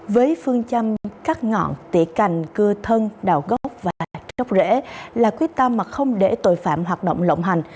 với phương châm cắt ngọn tỉa cành cưa thân đạo gốc và rốc rễ là quyết tâm mà không để tội phạm hoạt động lộng hành